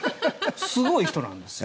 すごい人なんですよ。